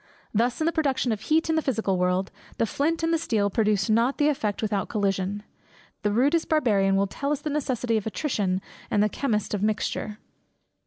Thus in the production of heat in the physical world, the flint and the steel produce not the effect without collision; the rudest Barbarian will tell us the necessity of attrition, and the chemist of mixture.